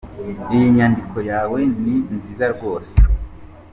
Iyi nyandiko yawe ni nziza rwose.